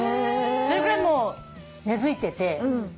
それぐらい根付いてて。